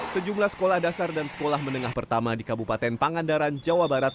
sejumlah sekolah dasar dan sekolah menengah pertama di kabupaten pangandaran jawa barat